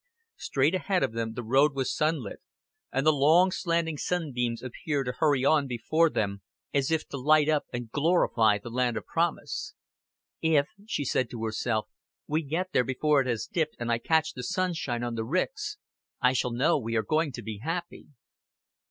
Straight ahead of them the road was sunlit, and the long slanting sunbeams appeared to hurry on before them as if to light up and glorify the land of promise. "If," she said to herself, "we get there before it has dipped and I catch the sunshine on the ricks, I shall know we are going to be happy."